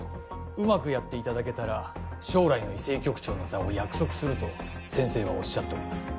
うまくやっていただけたら将来の医政局長の座を約束すると先生はおっしゃっております